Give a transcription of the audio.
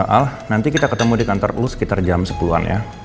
al nanti kita ketemu di kantor lu sekitar jam sepuluh an ya